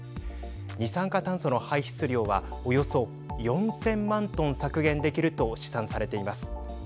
二酸化炭素の排出量はおよそ４０００万トン削減できると試算されています。